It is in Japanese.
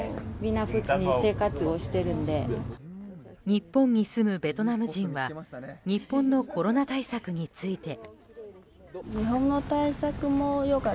日本に住むベトナム人は日本のコロナ対策について。